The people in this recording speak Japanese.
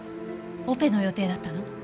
オペの予定だったの？